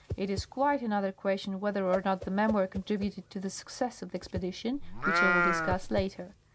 It is quite another question whether or not the memoir contributed to the success of the expedition, which I will discuss later.